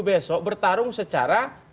besok bertarung secara